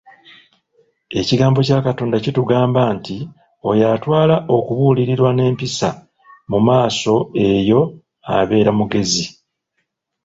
"Ekigambo kya Katonda kitugamba nti oyo atwala okubuulirirwa n'empisa, mu maaso eyo abeera mugezi."